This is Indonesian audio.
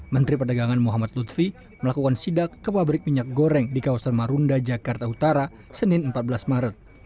menteri perdagangan muhammad lutfi melakukan sidak ke pabrik minyak goreng di kawasan marunda jakarta utara senin empat belas maret